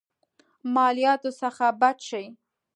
مالياتو څخه بچ شي.